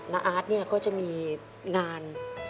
อาร์ตเนี่ยก็จะมีงาน